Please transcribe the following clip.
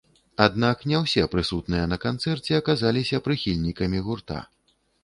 Аднак, не ўсе прысутныя на канцэрце аказаліся прыхільнікамі гурта.